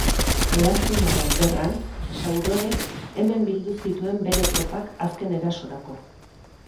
Eraztunaren Gerran, Sauronek hemen bildu zituen bere tropak azken erasorako.